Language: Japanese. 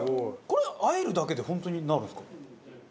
これ和えるだけで本当になるんですか？